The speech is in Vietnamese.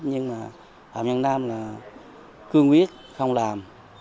nhưng mà phạm nhân nam cương quyết không làm